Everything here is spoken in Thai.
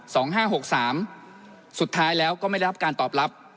ห้าหกสามสุดท้ายแล้วก็ไม่ได้รับการตอบรับ